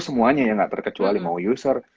semuanya ya nggak terkecuali mau user